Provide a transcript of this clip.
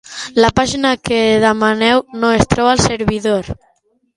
La pàgina que demaneu no es troba al servidor.